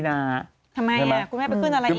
ทำไมคุณแม่ไปขึ้นอะไรอีก